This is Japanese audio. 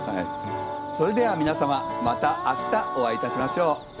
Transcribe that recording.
それでは皆様また明日お会いいたしましょう。